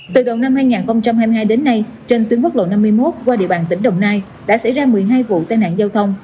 từ đầu năm hai nghìn hai mươi hai đến nay trên tuyến quốc lộ năm mươi một qua địa bàn tỉnh đồng nai đã xảy ra một mươi hai vụ tai nạn giao thông